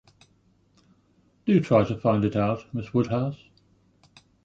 Do try to find it out, Miss Woodhouse.